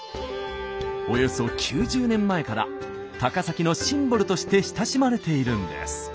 およそ９０年前から高崎のシンボルとして親しまれているんです。